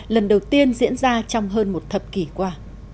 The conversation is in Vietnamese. lần đầu tiên diễn ra trong hơn một thập kỷ qua